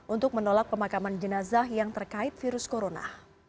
untuk menolak pemakaman jenazah yang terkait virus corona